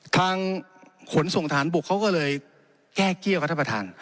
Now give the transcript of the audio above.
ทางขนส่งทหารบกเขาก็เลยแก้เกี้ยวครัฐพทาง